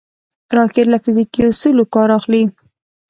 راکټ له فزیکي اصولو کار اخلي